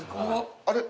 あれ？